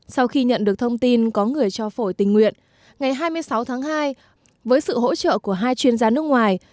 sau khi nhận được thông tin có người cho phổi tình nguyện ngày hai mươi sáu tháng hai với sự hỗ trợ của hai chuyên gia nước ngoài